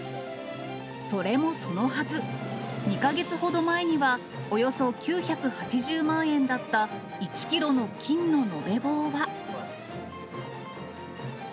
それもそのはず、２か月ほど前にはおよそ９８０万円だった１キロの金の延べ棒は。